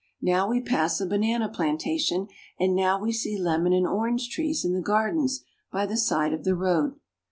Now we pass a banana plantation, and now we see lemon and orange trees in the gardens by the side of the road.